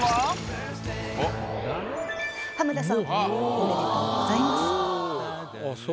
おめでとうございます。